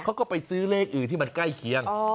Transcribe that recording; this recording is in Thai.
เขาก็ไปซื้อเลขอื่นที่มันใกล้เคียง